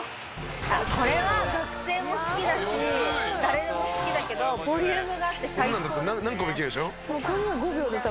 これは学生も好きだし誰でも好きだけどボリュームがあって最高ですね。